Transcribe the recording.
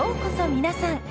皆さん。